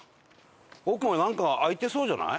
奥はなんか開いてそうじゃない？